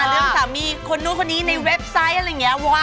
เรื่องสามีคนนู้นคนนี้ในเว็บไซต์อะไรอย่างนี้